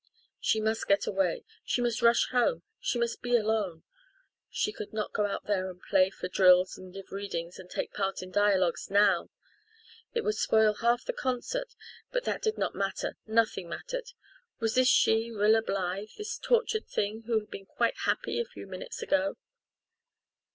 She must get away she must rush home she must be alone. She could not go out there and play for drills and give readings and take part in dialogues now. It would spoil half the concert; but that did not matter nothing mattered. Was this she, Rilla Blythe this tortured thing, who had been quite happy a few minutes ago?